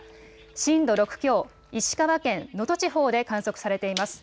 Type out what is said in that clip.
震度６強、石川県能登地方で観測されています。